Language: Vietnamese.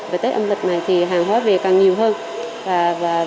và càng có hành vi vi phạm